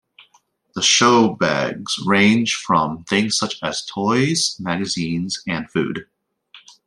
The showbags range from things such as toys, magazines, and food.